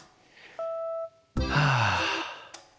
はあ。